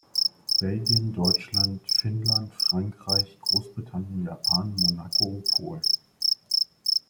Belgien, Deutschland, Finnland, Frankreich, Großbritannien, Japan, Monaco, Polen,